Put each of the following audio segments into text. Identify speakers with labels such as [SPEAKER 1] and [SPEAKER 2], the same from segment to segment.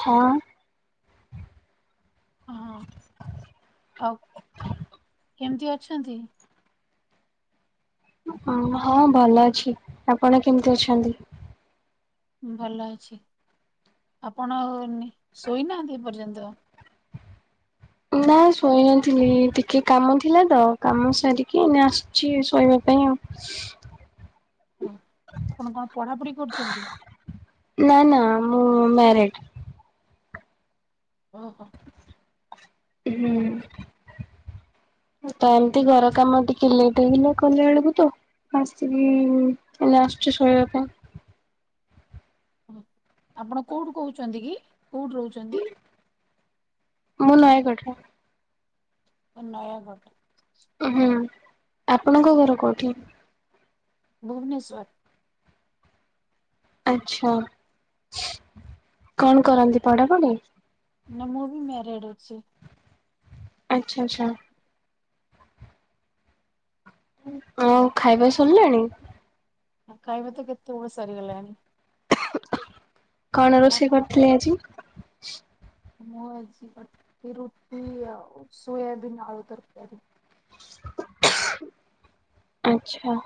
[SPEAKER 1] ହଁ।
[SPEAKER 2] ହଁ ଆଉ କେମିତି ଅଛନ୍ତି?
[SPEAKER 1] ଓ ହଁ ଭଲ ଅଛି ଆପଣ କେମିତି ଅଛନ୍ତି?
[SPEAKER 2] ଭଲ ଅଛି ଆପଣ ଶୋଇନାହାଁନ୍ତି ଏ ପର୍ଯ୍ୟନ୍ତ?
[SPEAKER 1] ନା ଶୋଇନଥିଲି ଟିକେ କାମ ଥିଲା ତ କାମ ସାରିକି ଏଇନେ ଆସୁଛି ଶୋଇବା ପାଇଁ ଆଉ।
[SPEAKER 2] ହ ଆପଣ କଣ ପଢାପଢି କରୁଛନ୍ତି?
[SPEAKER 1] ନା ନା ମୁଁ ମ୍ୟାରେଡ।
[SPEAKER 2] ଓ ହୋ।
[SPEAKER 1] ହୁଁ। ତ ଏମତି ଘର କାମ ଟିକେ ଲେଟ୍ ହେଇଗଲା କଲାଏଳୁକୁ ତ ଆସିଲି ଏଇନେ ଆସୁଚି ଶୋଇବା ପାଇଁ।
[SPEAKER 2] ଓ ଆପଣ କୋଉଠୁ କହୁଛନ୍ତି, କି କୋଉଠି ରହୁଛନ୍ତି?
[SPEAKER 1] ମୁଁ ନୟାଗଡରେ।
[SPEAKER 2] ନୟାଗଡ।
[SPEAKER 1] ହୁଁ ଆପଣଙ୍କ ଘର କୋଉଠି?
[SPEAKER 2] ଭୁବନେଶ୍ୱର।
[SPEAKER 1] ଆଚ୍ଛା କଣ କରନ୍ତି ପଢାପଢି?
[SPEAKER 2] ନା ମୁଁ ବି ମ୍ୟାରେଡ ଅଛି।
[SPEAKER 1] ଆଚ୍ଛା ଆଚ୍ଛା। ଆଉ ଖାଇବା ସରିଲାଣି?
[SPEAKER 2] ଖାଇବା ତ କେତେବେଳୁ ସରିଗଲାଣି।
[SPEAKER 1] କଣ ରୋଷେଇ
[SPEAKER 2] ଆପଣ
[SPEAKER 1] କରିଥିଲେ ଆଜି?
[SPEAKER 2] ମୁଁ ଆଜି ରୁଟି ଆଉ ସୋୟବିନ ଆଳୁ ତରକାରୀ।
[SPEAKER 1] ଆଚ୍ଛା।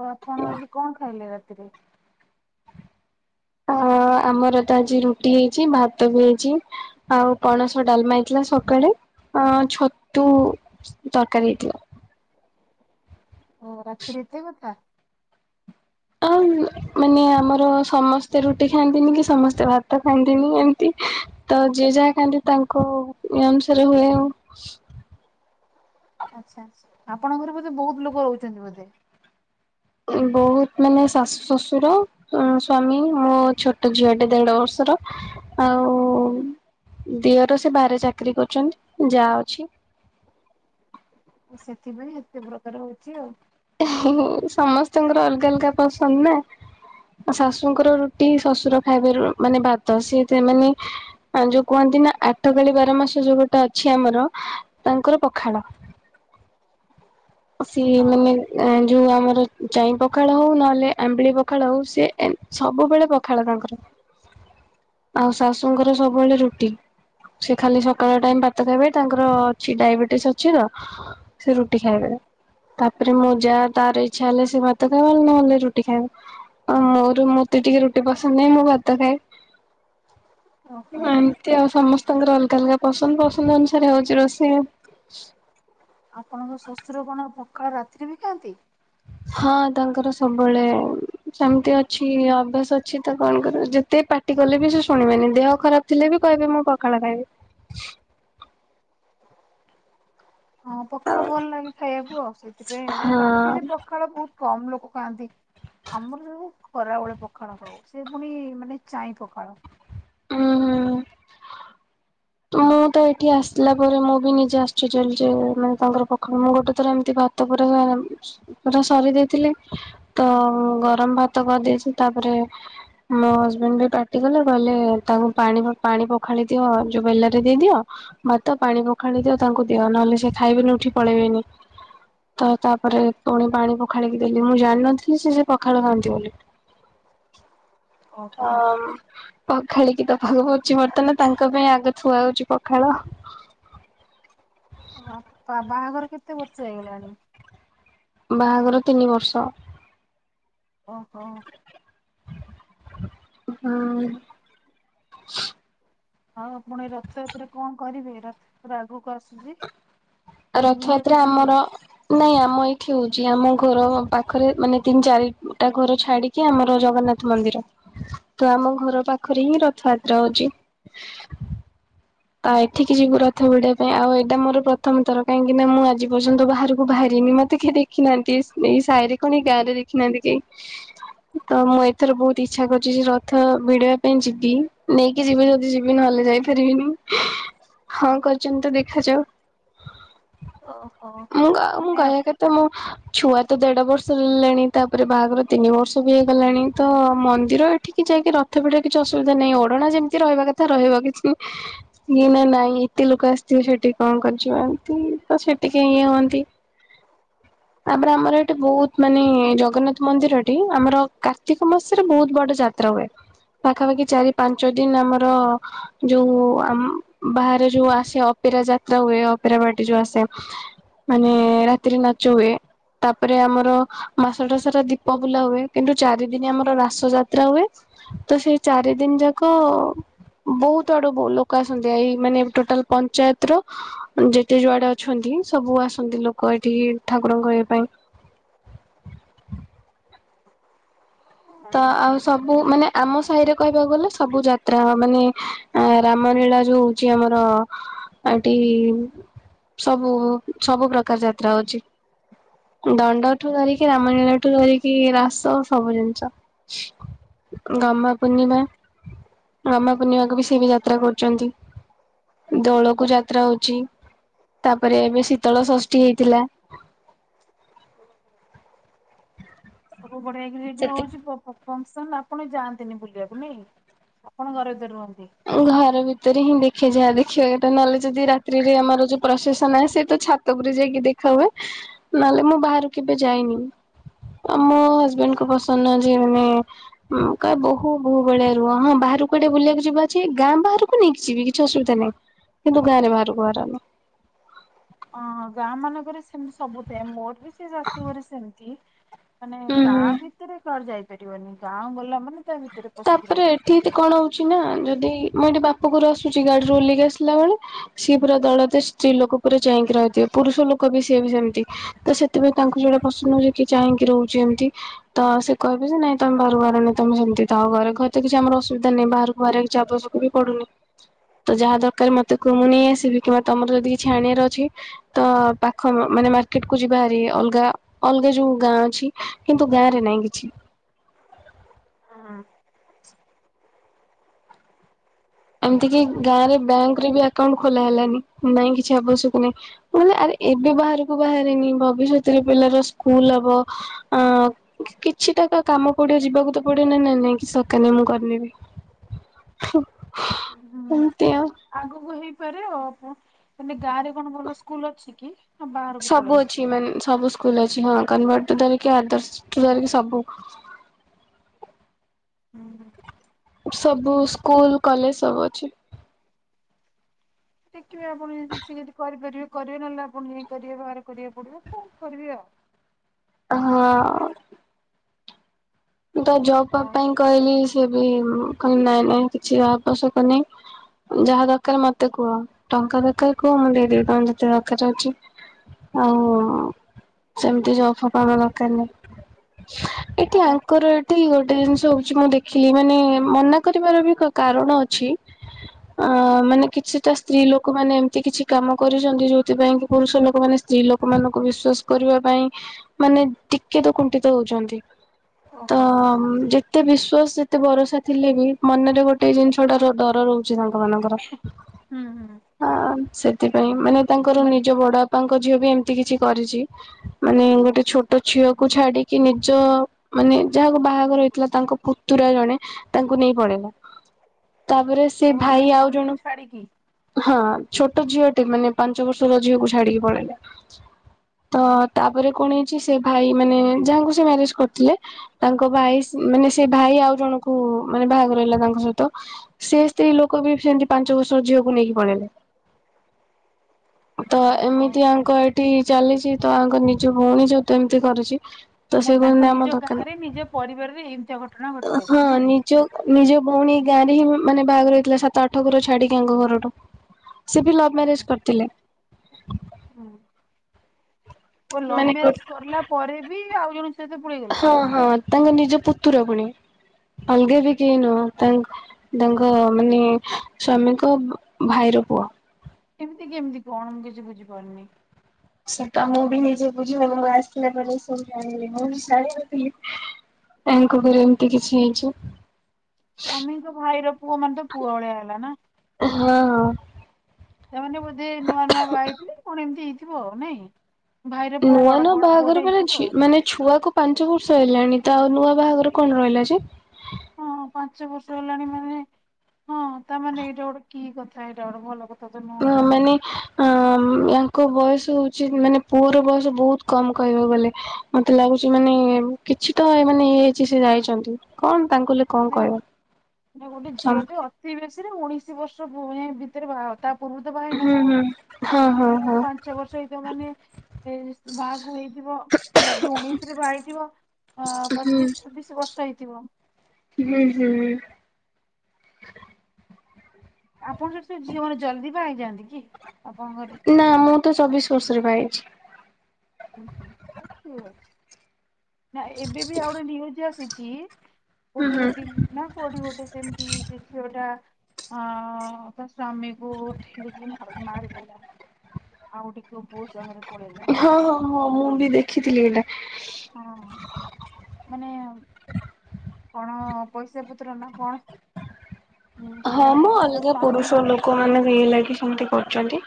[SPEAKER 2] ଆଉ ଆପଣ ଆଜି କଣ ଖାଇଲେ ରାତିରେ?
[SPEAKER 1] ଅ ଆମର ତ ଆଜି ରୁଟି ହେଇଛି, ଭାତ ବି ହେଇଛି ଆଉ ପଣସ ଡାଲମା ହେଇଥିଲା ସକାଳେ, ଅ ଛତୁ ତରକାରୀ ହେଇଥିଲା।
[SPEAKER 2] ଓ ରାତିରେ ଏତେ କଥା।
[SPEAKER 1] ଆଉ ମାନେ ଆମର ସମସ୍ତେ ରୁଟି ଖାଆନ୍ତିନି କି ସମସ୍ତେ ଭାତ ଖାଆନ୍ତିନି ଏମତି ତ ଯିଏ ଯାହା ଖାଆନ୍ତି ତାଙ୍କୁ ଇଏ ଅନୁସାରେ ହୁଏ ଆଉ।
[SPEAKER 2] ଆଚ୍ଛା ଆପଣଙ୍କର ବୋଧେ ବହୁତ ଲୋକ ରହୁଛନ୍ତି ବୋଧେ?
[SPEAKER 1] ବହୁତ ମାନେ ଶାଶୁ ଶଶୁର ସ୍ଵାମୀ ମୋ ଛୋଟ ଝିଅଟେ ଦେଢ ବର୍ଷର ଆଉ ଦିଅର ସେ ବାହାରେ ଚାକିରୀ କରିଛନ୍ତି, ଜା ଅଛି।
[SPEAKER 2] ସେଥିପାଇଁ ଏତେ ପ୍ରକାର ହଉଚି ଆଉ।
[SPEAKER 1] ହଁ ସମସ୍ତଙ୍କର ଅଲଗା ଅଲଗା ପସନ୍ଦ ନା। ଶାଶୁଙ୍କର ରୁଟି ଶ୍ୱଶୁର ଖାଇବେ ମାନେ ଭାତ ସିଏ ମାନେ ଯୋଉ କୁହନ୍ତି ନା ଆଠକାଳି ବାରମାସ ଯୋଉ ଗୋଟେ ଅଛି ଆମର ତାଙ୍କର ପଖାଳ। ସେଇ ମାନେ
[SPEAKER 2] ହଁ।
[SPEAKER 1] ଯୋଉ ଆମର ଚାଇଁ ପଖାଳ ହଉ ନହେଲେ ଆମ୍ବିଳି ପଖାଳ ହଉ ସେ ସବୁବେଳେ ପଖାଳ ତାଙ୍କର। ଆଉ ଶାଶୁଙ୍କର ସବୁବେଳେ ରୁଟି। ସେ ଖାଲି ସକାଳ ଟାଇମ ଭାତ ଖାଇବେ ତାଙ୍କର ଅଛି ଡାଇବେଟିସ ଅଛି ତ ସେ ରୁଟି ଖାଇବେ। ତାପରେ ମୋ ଜା ତାର ଇଚ୍ଛା ହେଲେ ସେ ଭାତ ଖାଇବ ନହେଲେ ରୁଟି ଖାଇବ। ଆଉ ମୋର ମୋତେ ଟିକେ ରୁଟି ପସନ୍ଦ ନାଇଁ ମୁଁ ଭାତ ଖାଏ।
[SPEAKER 2] ଓହୋ
[SPEAKER 1] ଏମତି ଆଉ ସମସ୍ତଙ୍କର ଅଲଗା ଅଲଗା ପସନ୍ଦ ପସନ୍ଦ ଅନୁସାରେ ହଉଛି ରୋଷେଇ ଆଉ।
[SPEAKER 2] ଆପଣଙ୍କ ଶ୍ୱଶୁର କଣ ପଖାଳ ରାତିରେ ବି ଖାଆନ୍ତି?
[SPEAKER 1] ହଁ ତାଙ୍କର ସବୁବେଳେ ସେମତି ଅଛି ଅଭ୍ୟାସ ଅଛି ତ କଣ କରିବେ ଯେତେ ପାଟି କଲେ ବି ସେ ଶୁଣିବେନି ଦେହ ଖରାପ ଥିଲେ ବି କହିବି ମୁଁ ପଖାଳ ଖାଇବି।
[SPEAKER 2] ହଁ ପଖାଳ
[SPEAKER 1] ଆଉ
[SPEAKER 2] ଭଲ ଲାଗେ ଖାଇବାକୁ ଆଉ ସେଥିପାଇଁ ଆଉ
[SPEAKER 1] ହଁ
[SPEAKER 2] କିନ୍ତୁ ରାତିରେ ପଖାଳ ବହୁତ କମ ଲୋକ ଖାଆନ୍ତି। ଆମର ସବୁ ଖରାବେଳେ ପଖାଳ ଖାଉ ସେ ପୁଣି ମାନେ ଚାଇଁ ପଖାଳ।
[SPEAKER 1] ଉଁ ହୁଁ। ମୁଁ ତ ଏଇଠି ଆସିଲା ପରେ ମୁଁ ବି ନିଜେ ଆଶ୍ଚର୍ଯ୍ୟ ହେଲି ଯେ ମାନେ ତାଙ୍କର ପଖାଳ ମୁଁ ଗୋଟେ ଥର ଏମିତି ଭା ତା ପରେ ପୂରା ସରେଇ ଦେଇଥିଲି ତ ଗରମ ଭାତ କରିଦେଇଛି ତାପରେ ମୋ ହଜବେଣ୍ଡ ବି ପାଟିକଲେ କହିଲେ ତାଙ୍କୁ ପାଣି ପାଣି ପଖାଳି ଦିଅ ଯୋଉ ବେଲେ ଦେଇଦିଅ ଭାତ ପାଣି ପଖାଳି ଦିଅ ତାଙ୍କୁ ଦିଅ ନହେଲେ ସେ ଖାଇବେନି ଉଠି ପଳେଇବେ ଏନି। ତ ତାପରେ ପୁଣି ପାଣି ପଖାଳିକି ଦେଲି ମୁଁ ଜାଣିନଥିଲି ସେ ସେ ପଖାଳ ଖାଆନ୍ତି ବୋଲି।
[SPEAKER 2] [unintelligible] ଓହୋ।
[SPEAKER 1] ହ ପଖାଳିକି ତ ଭୋଜୀ ମଟନ ତାଙ୍କ ପାଇଁ ଆଗ। ଥୁଆ ହୋଉଛି ପଖାଳ।
[SPEAKER 2] ବା ବାହାଘର କେତେ ବର୍ଷ ହେଇଗଲାଣି?
[SPEAKER 1] ବାହାଘର ତିନି ବର୍ଷ।
[SPEAKER 2] ଓହୋ।
[SPEAKER 1] ହଁ।
[SPEAKER 2] ହଁ ଆପଣ ଏଇ ରଥଯାତ୍ରା କଣ କରିବେ ରଥଯାତ୍ରା ଆଗକୁ ଆସୁଛି? ପୁରୀ ବୁଲିବାକୁ
[SPEAKER 1] ରଥଯାତ୍ରା
[SPEAKER 2] ଆସିବେ?
[SPEAKER 1] ଆମର ନାଇଁ ଆମ ଏଇଠି ହଉଛି ଆମ ଘର ପାଖରେ ମାନେ ତିନି ଚାରିଟା ଘର ଛାଡିିକ କି ଆମର ଜଗନ୍ନାଥ ମନ୍ଦିର ତ ଆମ ଘର ପାଖରେ ହିଁ ରଥଯାତ୍ରା ହଉଛି।
[SPEAKER 2] [unintelligible]
[SPEAKER 1] ତ ଏଠିକି ଯିବୁ ରଥ ଭିଡିବା ପାଇଁ ଆଉ ଏଇଟା ମୋର ପ୍ରଥମ ଥର କାହିଁକି ନା ମୁଁ ଆଜି ପର୍ଯ୍ୟନ୍ତ ବାହାରକୁ ବାହାରିନି ମତେ କିଏ ଦେଖ ଦେଖି ନାହାନ୍ତି ଏଇ ସାହିରେ କଣ ଏଇ ଗାଁ ରେ ଦେଖି ନାହାନ୍ତି କେହି। ତ ମୁଁ ଏଥର ବହୁତ ଇଚ୍ଛା କରୁଛି ଯେ ରଥ ଭିଡିବା ପାଇଁ ଯିବି ନେଇକି କିଏ ଯିବେ ଯଦି ଯିବି ନହେଲେ ଯାଇ ପାରିବିନି। ହଁ କରିଛନ୍ତି ତ ଦେଖାଯାଉ।
[SPEAKER 2] ଓହୋ।
[SPEAKER 1] ମୁଁ ମୁଁ
[SPEAKER 2] ମାନେ ଆ
[SPEAKER 1] କହିବା କଥା ମୁଁ ଛୁଆ ତ ଦେଢ ବର୍ଷ ହେଲାଣି ତାପରେ ବାହାଘର ତିନି ବର୍ଷ ବି ହେଇଗଲାଣି ତ ମନ୍ଦିର ଏଠିକି ଯାଇକି ର ଥ ଭିଡ଼ିବା କିଛି ଅସୁବିଧା ନାହିଁ। ଓଢଣା ଯେମିତି ରହିବା କଥା ରହିବ କିଛି ନ ନା ନାଇଁ ଏତେ ଲୋକ ଆସିଥିବେ ସେଠିକି କଣ କରିଛନ୍ତି ତ ସେ ଟିକେ ଇଏ ହୁଅନ୍ତି।
[SPEAKER 2] [unintelligible]
[SPEAKER 1] ତାପରେ ଆମର ଏଠି ବହୁତ ମାନେ ଜଗନ୍ନାଥ ମନ୍ଦିରଠି ଆମର କାର୍ତ୍ତିକ ମାସରେ ବହୁତ ବଡ ଯା ତ୍ରା ହୁଏ। ପାଖାପାଖି ଚାରି ପାଞ୍ଚ ଦିନ ଆମର ଯୋଉ ଆମ ବାହାରେ ଯୋଉ ଆସେ ଅପେରା ଯାତ୍ରା ହୁଏ ଅପେରା ପାର୍ଟି ଯୋଉ ଆସେ ମାନେ ରାତିରେ ନାଚ ହୁଏ। ତାପରେ ଆମର ମାସଟା ସାରା ଦୀପ ବୁଲା ହୁଏ। କିନ୍ତୁ ଚାରି ଦିନ ଆମର ରାସ ଯାତ୍ରା ହୁଏ। ତ ସେଇ ଚାରି ଦିନ ଯାକ ବହୁତ ଆଡୁ ବ ଲୋକ କ ଆସନ୍ତି ଏଇ ମାନେ ଟୋଟାଲ ପଞ୍ଚାୟତର ମାନେ ଯେତେ ଯୁଆଡେ ଅଛନ୍ତି ସବୁ ଆସନ୍ତି ଲୋକ ଏଠିକି ଠାକୁରଙ୍କ ଇଏ ପାଇଁ। ତ
[SPEAKER 2] ହଁ
[SPEAKER 1] ଆଉ ସବୁ ସବୁ ମାନେ ଆମ ସାହିରେ କହିବାକୁ ଗଲେ ସବୁ ଯାତ୍ରା ମାନେ ଏଁ ରାମ ଲୀଳା ଯୋଉ ହେଉଛି ଆମର ଏଠି ସବୁ ସବୁ ପ୍ରକାର ଯାତ୍ରା ହଉଛି। ଦଣ୍ଡଠୁ ଧରିକି ରାମ ଲୀଳା ଠୁ ଧରିକି ରାସ ସବୁ ଜିନିଷ। ଗମହା ପୂର୍ଣ୍ଣିମା। ଗମ୍ଭା ପୂର୍ଣ୍ଣିମାକୁ ବି ସେ ବି ଯାତ୍ରା କରୁଛନ୍ତି। ଦୋଳକୁ ଯାତ୍ରା ହଉଛି ତାପରେ ଏବେ ଶୀତଳ ଷଷ୍ଠୀ ହେଇଥିଲା।
[SPEAKER 2] ସବୁ ବଢିଆକିରି ହେଇଠି ହଉଛି ପୁରା ପ ଫଙ୍କସନ ଆପଣ ଯାଆନ୍ତିନି ବୁଲିବାକୁ ନାଇ? ଆପଣ ଘରେ ଭିତରେ ରୁହନ୍ତି।
[SPEAKER 1] ଘର ଭିତରେ ହିଁ ଦେଖେ ଯାହା ଦେଖିବା କଥା ନହେଲେ ଯଦି ରାତିରେ ଆମର ଯୋଉ ପ୍ରସେସନ ଆସେ ତ ଛାତ ତ ଉପରେ ଯାଇକି ଦେଖା ହୁଏ। ନହେଲେ ମୁଁ ବାହାରୁ କେବେ ଯାଇନି। ଆମ ହଜବେଣ୍ଡକୁ ପସନ୍ଦ ନାଇ ଯେ ମାନେ ହଁ କହିବେ ବୋହୁ ବହୁ ଭଳିଆ ରୁହ ହଁ ବାହାରକୁ କୁଆଡେ ବୁଲିବାକୁ ଯିବା ସେ ଗାଁ ବାହାରକୁ ନେଇକି ଯିବି କିଛି ଅସୁବିଧା ନାହିଁ କିନ୍ତୁ ଗାଁ ରେ ବାହାରକୁ ବାହାରନ।
[SPEAKER 2] ହଁ ଗାଁ ମାନଙ୍କରେ ସେମିତି ସବୁ ଥାଏ ମୋର ବି ସେ ଶାଶୁ ଘରେ ସେମତି। ମାନେ
[SPEAKER 1] ହୁଁ
[SPEAKER 2] ଗାଁ
[SPEAKER 1] ହୁଁ।
[SPEAKER 2] ଭିତରେ କୁଆଡେ ଯାଇପାରିବନି ଗାଁ ଗଲା ମାନେ ତା ଭିତରେ ପଶିକି
[SPEAKER 1] ତାପରେ
[SPEAKER 2] ରହିବ।
[SPEAKER 1] ଏଠି ଏନ୍ତି କଣ ହଉଛି ନା ଯଦି ମୁଁ ଏଠି ବାପ ଘରୁ ଆସୁଛି ଗାଡିରୁ ଓହ୍ଲେଇକି ଆସିଲା ବେଳେ ସିଏ ପୁରା ଦଳ ଟେ ସ୍ତ୍ରୀ ଲୋକ ପୁରା ଚାହିଁକି ରହିଥିବେ ପୁରୁଷ ଲୋକ ବି ସିଏ ବି ସେମିତି ତ ସେ ତେବେ ତାଙ୍କୁ ଯୋଉଟା ପସନ୍ଦ ହଉଚି କି ଚାହିଁକି ରହୁଛି ଏମିତି। ତ ସେ କହିବେ ଯେ ନାଇଁ ତମେ ଘରୁ ବାହାରନି ତମେ ସେମିତି ଆଉ ଘରେ ଘରେ ତ କିଛି ଆମର ଅସୁବିଧା ନାହିଁ ବାହାରକୁ ବାହାରିବା କିିଛି ଆବଶ୍ୟକ ବି ପଡୁନି। ତ ଯାହା ଦରକାର ମତେ କୁହ ମୁଁ ନେଇ ଆସିବି କିମ୍ବା ତମର ଯଦି କିଛି ଆଣିବାର ଅଛି ତ ପାଖ ମାନେ ମାର୍କେଟ କୁ ଯିବାହାରି ଅଲଗା ଅଲଗା ଯୋଉ ଗାଁ ଅଛି କିନ୍ତୁ ଗାଁ ରେ ନାହିଁ କିଛି।
[SPEAKER 2] ହଁ।
[SPEAKER 1] ଏମିତି କିି ଗାଁ ରେ ବ୍ୟାଙ୍କରେ ବି ଆକାଉଣ୍ଟ ଖୋଲା ହେଲାନି ନାଇଁ କିଛି ଆବଶ୍ୟକ ନାହିଁ। ମୁଁ କହିଲି ଆରେ ଏବେ ବାହାରକୁ ବାହାରିନି ଭବିଷ୍ୟତରେ ପିଲାର ସ୍କୁଲ ହବ ଆଁ କିଛିଟା ତ କାମ ପଡିବ ଯିବାକୁ ତ ପଡିବ ନାଇଁ -ନାଇଁ- ନାଇଁ କିଛି ଦରକାର ନାଇଁ ମୁଁ କରିନେବି। ହୁଁ
[SPEAKER 2] ହୁଁ
[SPEAKER 1] ଏମତି ଆଉ।
[SPEAKER 2] ଆଗକୁ ହେଇପାରେ ଆଉ ମାନେ ଗାଁରେ କଣ ଭଲ ସ୍କୁଲ ଅଛି କି? ନା ବାହାରକୁ ପଳେଇ
[SPEAKER 1] ସବୁ
[SPEAKER 2] ଆସିବେ
[SPEAKER 1] ଅଛି
[SPEAKER 2] ନା?
[SPEAKER 1] ମାନେ ସବୁ ସ୍କୁଲ ଅଛି କନ୍ଭଟ୍ ଟୁ ଧରିକି ଆଦର୍ଶ ଟୁ ଧରିକି ସବୁ।
[SPEAKER 2] ହୁଁ, ହୁଁ।
[SPEAKER 1] ସବୁ ସ୍କୁଲ, କଲେଜ ସବୁ ଅଛି।
[SPEAKER 2] ଦେଖିବେ ଆପଣ ଯଦି ସେ ଯଦି କରିପାରିବେ କରିବେ ନହେଲେ ଆପଣ ଯାଇଁ କରିବେ ବାହାରେ କରିବାକୁ ପଡିବେ କଣ କରିବେ ଆଉ।
[SPEAKER 1] ହଁ। ମୁଁ ତ ଜବ-ଫବ
[SPEAKER 2] ହଁ
[SPEAKER 1] ପାଇଁ କହିଲି ସେ ବି କହିଲେ ନାଇଁ -ନାଇଁ କିଛି ଆବଶ୍ୟକ ନାହିଁ। ଯାହା ଦରକାର ମତେ କୁହ ଟଙ୍କା ଦରକାର କୁହ ମୁଁ ଦେଇଦେବି ତମର ଯେତେ ଦରକାର ଅଛି। ଆଉ ସେମିତି ଜବ୍ ଫବ୍ କରିବା ଦରକାର ନାହି ଏଠି ଆ
[SPEAKER 2] ଆପଣ
[SPEAKER 1] ତାଙ୍କର ଏଠି ଗୋଟେ ଜିନିଷ ହଉଛି କଣ ଦେଖିଲି ମାନେ ମନା କରିବାର ବି କାରଣ ଅଛି। ଆ ମାନେ କିଛିଟା ସ୍ତ୍ରୀ ଲୋକମାନେ ଏମତି କିଛି କାମ କରୁଛନ୍ତି ଯୋଉଥିପାଇଁ କି ପୁରୁଷ ଲୋକମାନେ ସ୍ତ୍ରୀ ଲୋକ ଲୋକ ମାନଙ୍କୁ ବିଶ୍ଵାସ କରିବା ପାଇଁ ମାନେ ଟିକେ ତ କୁଣ୍ଠିତ ହଉଚନ୍ତି।
[SPEAKER 2] ଓହୋ
[SPEAKER 1] ତମ୍ ଯେ ଜେତେ ବିଶ୍ଵାସ ଜେତେ ଭରସା ଥିଲେ ବି ମନରେ ଗୋଟେ ଜିନିଷଟାର ଡର ରହୁଛି ତାଙ୍କ ମାନଙ୍କର।
[SPEAKER 2] ହୁଁ, ହୁଁ।
[SPEAKER 1] ହଁ ସେଥିପାଇଁ ମାନେ ତାଙ୍କର
[SPEAKER 2] ମାନେ
[SPEAKER 1] ନିଜ ବଡ ବାପାଙ୍କ ଝିଅ ବି ଏମିତି କିଛି କରିଛି। ମାନେ
[SPEAKER 2] ଆଚ୍ଛା
[SPEAKER 1] ଗୋଟେ ଛୋଟ ଝିଅକୁୁ ଛାଡିକି ନିଜ ମାନେ ଯାହାକୁ ବାହାଘର ହେଇଥିଲା ତାଙ୍କ ପୁତୁରା ଜଣେ ତାଙ୍କୁ ନେଇ ପଳେଇଲା। ତାପରେ
[SPEAKER 2] ଓ
[SPEAKER 1] ସେଇ
[SPEAKER 2] ମାନେ
[SPEAKER 1] ଭାଇ ଆଉ
[SPEAKER 2] ସ୍ଵାମୀକୁ
[SPEAKER 1] ଜଣ
[SPEAKER 2] ଛାଡିକି
[SPEAKER 1] ହଁ ଛୋଟ ଝିଅଟେ ମାନେ ପାଞ୍ଚ ବର୍ଷର ଝିଅକୁ ଛାଡିକି ପଳେଇଲା। ତ ତାପରେ କଣ ହେଇଛି ସେ ଭାଇ ମାନେ ଯାହାଙ୍କୁ ସେ ମ୍ୟାରେଜ କରିଥିଲେ ତାଙ୍କ ଭାଇ ମାନେ ସେ ଭାଇ ଆଉ ଜଣଙ୍କୁ ମାନେ ବାହାଘର ହେଲା ତାଙ୍କ ସହିତ। ସେ ସ୍ତ୍ରୀ ଲୋକ ବି ସେମିତି ପାଞ୍ଚ ବର୍ଷ ଝିଅକୁ ନେଇକି ପଳେଇଲେ।
[SPEAKER 2] [inaudible]
[SPEAKER 1] ତ
[SPEAKER 2] ଓହୋ
[SPEAKER 1] ଏମିତି ଆଙ୍କ ଏଠି ଚାଲିଛି ତ ଆଙ୍କ ନିଜ ଭଉଣୀ ଯଦି ଏମିତି କରୁଛି
[SPEAKER 2] ମ ତାଙ୍କ ନିଜ ଗାଁରେ ନିଜ ପରିବାରରେ ଏମିତିଆ ଘ
[SPEAKER 1] ତ ହଁ ନି ଯଉ ନିଜ ଭଉଣୀ ଗାଁରେ ହିଁ ମାନେ ବାହାଘର ହେଇଥିଲା ସାତ, ଆଠ ଘର ଛାଡିକି ଆଙ୍କ ଘରଠୁ। ସେ ବି ଲଭ୍
[SPEAKER 2] ଆଚ୍ଛା
[SPEAKER 1] ମ୍ୟାରେଜ କରିଥିଲେ
[SPEAKER 2] ଆଚ୍ଛା ହୁଁ। [inaudible] ଓ
[SPEAKER 1] ମାନେ
[SPEAKER 2] ଲଭ୍
[SPEAKER 1] ଗୋ
[SPEAKER 2] ମ୍ୟାରେଜ କରିଲା ପରେ ବି ଆଉ ଜଣକ ସହିତ ପଳେଇଗଲେ।
[SPEAKER 1] ହଁ ହଁ ତାଙ୍କ ନିଜ ପୁତୁରା ପୁଣି ଅଲଗା ବି କେହି ନୁହଁ ତାଙ୍କ ତାଙ୍କ ମାନେ ସ୍ଵାମୀଙ୍କ ଭାଇର ପୁଅ।
[SPEAKER 2] ଏମିତି କେମିତି କଣ ମୁଁ କିଛି ବୁଝିପାରୁନି।
[SPEAKER 1] ସେଟା ମୁଁ ବି ନିଜେ ବୁଝିବନି ମୁଁ ଆସିିଲା ପରେ ସବୁ ଜାଣିଲି ମୁଁ ବି ଜାଣିନଥିଲି। ତାଙ୍କ ଘ ଏମିତି କିଛି ହେଇଛି।
[SPEAKER 2] ସ୍ୱାମୀଙ୍କ ଭାଇର ପୁଅ ମାନେ ତ ପୁଅ ଭଳିଆ ହେଲା ନା।
[SPEAKER 1] ହଁ ହଁ।
[SPEAKER 2] ସେମାନେ ବୋଧେ ନୂଆ ନୂଆ ବାହା ହେଇଥିଲେ କଣ ଏମତି ହେଇଥିବ ଆଉ ନାଇଁ। ଭାଇର ପୁଅ
[SPEAKER 1] ନୂଆ
[SPEAKER 2] ବଡ
[SPEAKER 1] ନୂଆ
[SPEAKER 2] ବଡ ପୁଅଟେ
[SPEAKER 1] ବାହାଘର ମାନେ
[SPEAKER 2] ହେଇଥିବ
[SPEAKER 1] ଝି ମାନେ ଛୁଆକୁ ପାଞ୍ଚ ବର୍ଷ ହେଲାଣି ତ ଆଉ ନୂଆ ବାହାଘର କଣ ରହିଲା ଯେ।
[SPEAKER 2] ହଁ ପାଞ୍ଚ ବର୍ଷ ହେଲାଣି ମାନେ। ହଁ ତାମାନେ ଏଇଟା ଗୋଟେ କି କଥା ଏଇଟା ଗୋଟେ ଭଲ କଥା ତ ନୁହଁ
[SPEAKER 1] ହଁ ମାନେ ୟାଙ୍କ ବୟସ ହଉଛି ମାନେ ପୁଅର ବୟସ ବହୁତ କମ କହିବ ବୋଲେ ମତେ ଲାଗୁଛି ମାନେ କିଛି ତ ମାନେ ଇଏ ହେଇଛି ସେ ଯାଇଛନ୍ତି। କଣ ତାଙ୍କୁ ଲେ
[SPEAKER 2] ନା ନା ଗୋଟେ ଝିଅ ଟେ ଅତି ବେଶୀରେ ଉଣିଶି ବର୍ଷ [unintelligible] ଭିତରେ ବାହା ଅର ତା ପୂର୍ବରୁ ତ ବା ହେଇ ନଥିବ
[SPEAKER 1] ହୁଁ ହଁ
[SPEAKER 2] ଆଉ
[SPEAKER 1] ହଁ
[SPEAKER 2] ପିଲାକୁ
[SPEAKER 1] ହଁ
[SPEAKER 2] ପା ଛ ବର୍ଷ ହେଇ ଯଉ ମାନେ ଏ ବାହାଗୁଇ ଥିବ ଯଦି ଉଣେଇଶି ରେ ବା ହେଇଥିବ ଅ
[SPEAKER 1] ହୁଁ
[SPEAKER 2] ପଚିଶ ଛବିଶ ବର୍ଷ ହେଇଥିବ।
[SPEAKER 1] ହୁଁ ହୁଁ।
[SPEAKER 2] ଆପଣ ସେଠି ସେ ଝିଅ ମାନେ ଜଲଦି ବା ହେଇ ଯାଆନ୍ତି କି ଆପଣଙ୍କ ଘରେ।
[SPEAKER 1] ନା ମୁଁ ତ ଚବିଶ ବର୍ଷରେ ବା ହେଇଛି।
[SPEAKER 2] ଉଁ ହୁଁ ତାହେଲେ ଠିକ ଅଛି। ନା ଏବେ ବି ଆଉ ଗୋଟେ ନିୟୁଜ ଆସିଛି
[SPEAKER 1] ହୁଁ
[SPEAKER 2] କୋଉଠି ଗୋଟେ
[SPEAKER 1] ହୁଁ
[SPEAKER 2] ଦିଲ୍ଲୀ ନା କୋଉଠି ଗୋଟେ। ସେମିତି ସେ ଝିଅଟା ଆ ତା ସ୍ବାମୀ। ବୁଟ ଠିରିକି ମର ମାରିି ଦେଲା ଆଉ ଡିକ ବହୁତ ଜାଗାରେ।
[SPEAKER 1] ହଁ ହଁ ହଁ ମୁଁ ବି ଦେଖିଥିଲି ଏଇଟା।
[SPEAKER 2] ହଁ ମାନେ। କଣ ପଇସା ପତ୍ର ନା କଣ ଥିଲା କଣ ତା ସ୍ଵାମୀ।
[SPEAKER 1] କଣ ଏମିତି ହେଇଗଲା କି ସମତେ କରୁଛନ୍ତି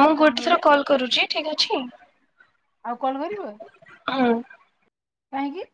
[SPEAKER 1] ମୁଁ
[SPEAKER 2] କଣ
[SPEAKER 1] ଗୋଟେ ଥର
[SPEAKER 2] କହିଲେ
[SPEAKER 1] କଲ କରୁଛି ଠିକ୍ ଅଛି।
[SPEAKER 2] ଆଉ କଲ୍ କରିବ।
[SPEAKER 1] ହୁଁ।
[SPEAKER 2] କାହିଁକି?